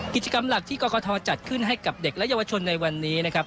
กิจกรรมหลักที่กรกฐจัดขึ้นให้กับเด็กและเยาวชนในวันนี้นะครับ